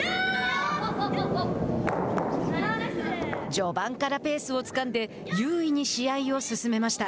序盤からペースをつかんで優位に試合を進めました。